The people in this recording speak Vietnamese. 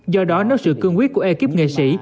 do đó nếu sự cương quyết của ekip nghệ sĩ